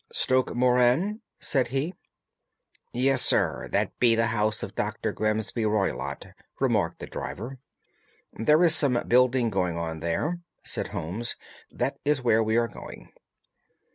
"Stoke Moran?" said he. "Yes, sir, that be the house of Dr. Grimesby Roylott," remarked the driver. "There is some building going on there," said Holmes; "that is where we are going."